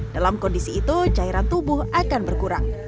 dalam kondisi itu cairan tubuh akan berkurang